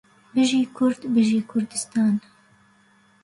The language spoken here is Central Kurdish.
بژی کورد بژی کوردستان